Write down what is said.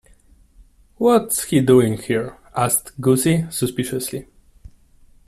'What's he doing here?' asked Gussie suspiciously.